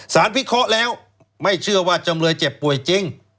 วิเคราะห์แล้วไม่เชื่อว่าจำเลยเจ็บป่วยจริง